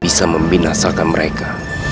bisa membinasakan mereka